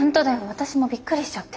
私もびっくりしちゃって。